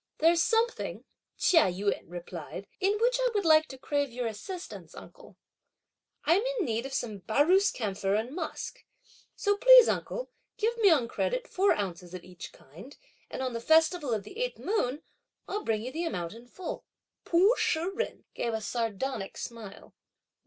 "There's something," Chia Yun replied, "in which I would like to crave your assistance, uncle; I'm in need of some baroos camphor and musk, so please, uncle, give me on credit four ounces of each kind, and on the festival of the eighth moon, I'll bring you the amount in full." Pu Shih jen gave a sardonic smile.